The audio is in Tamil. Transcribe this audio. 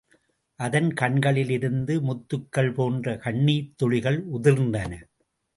அதன் கண்களில் இருந்து முத்துகள் போன்ற கண்ணீர்த் துளிகள் உதிர்ந்தன.